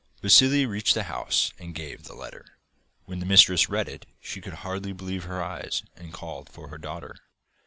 Vassili reached the house and gave the letter. When the mistress read it she could hardly believe her eyes and called for her daughter.